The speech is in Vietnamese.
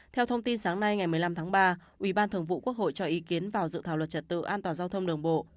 theo thông tin sáng nay ngày một mươi năm tháng ba ủy ban thường vụ quốc hội cho ý kiến vào dự thảo luật trật tự an toàn giao thông đường bộ